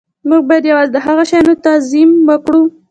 موږ باید یوازې د هغو شیانو تعظیم وکړو